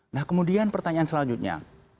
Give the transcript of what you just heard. nah kemudian pertanyaan selanjutnya